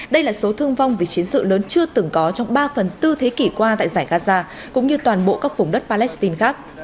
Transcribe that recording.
đây là số thương vong vì chiến sự lớn chưa từng có trong ba phần bốn thế kỷ qua tại giải gaza cũng như toàn bộ các vùng đất palestine khác